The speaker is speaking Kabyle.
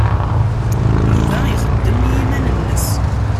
Yuba ixeddem i yiman-nnes.